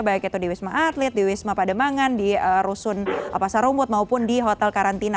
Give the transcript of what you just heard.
baik itu di wisma atlet di wisma pademangan di rusun pasar rumput maupun di hotel karantina